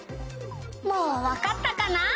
「もうわかったかな？」